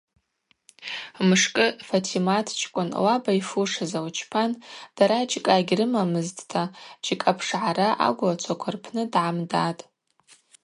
Мшкӏы Фатӏиматчкӏвын лаба йфушыз лчпан, дара джькӏа гьрымамызтӏта джькӏапшгӏара агвлачва рпны дгӏамдатӏ.